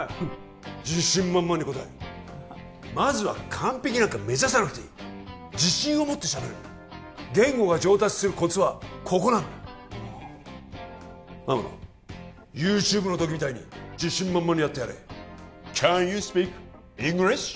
自信満々に答えるまずは完璧なんか目指さなくていい自信を持って喋るんだ言語が上達するコツはここなんだ天野ＹｏｕＴｕｂｅの時みたいに自信満々にやってやれＣａｎｙｏｕｓｐｅａｋＥｎｇｌｉｓｈ？